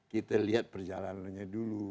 kita lihat perjalanannya dulu